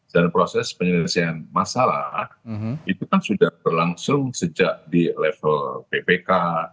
dan proses penyelesaian masalah itu kan sudah berlangsung sejak di level ppk